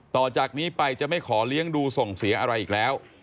ต่อจากนี้ไปจะไม่ขอเลี้ยงดูส่งเสียอะไรอีกแล้ว